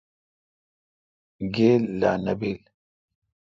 گیل لا نہ بیل۔